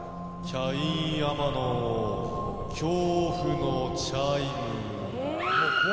キャイン天野恐怖のチャイム。